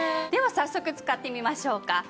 では早速使ってみましょうか。